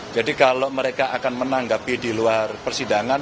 jadi kalau mereka akan menanggapi di luar persidangan